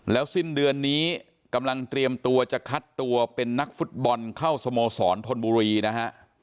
สิ้นเดือนนี้กำลังเตรียมตัวจะคัดตัวเป็นนักฟุตบอลเข้าสโมสรธนบุรีนะฮะ